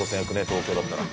東京だったら。